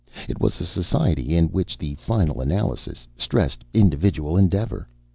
It was a society which, in the final analysis, stressed individual endeavor.